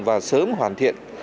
và sớm hoàn thiện